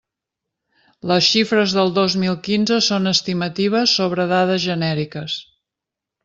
Les xifres del dos mil quinze són estimatives sobre dades genèriques.